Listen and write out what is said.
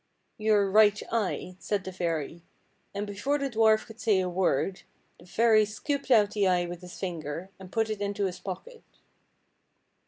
" Your right eye," said the fairy ; and before the dwarf could say a word, the fairy scooped out the eye with his finger, and put it into his pocket.